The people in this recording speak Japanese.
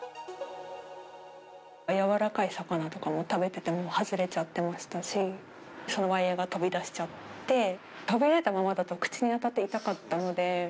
柔らかい魚とかを食べてても外れちゃってましたし、そのワイヤが飛び出しちゃって、飛び出たままだと口に当たって痛かったので。